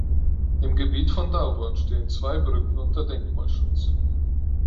Im Gebiet von Dauborn stehen zwei Brücken unter Denkmalschutz.